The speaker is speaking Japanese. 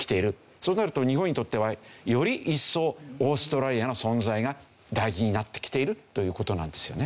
そうなると日本にとってはより一層オーストラリアの存在が大事になってきているという事なんですよね。